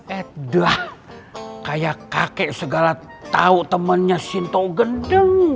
eh dah kayak kakek segala tau temennya sinto gendeng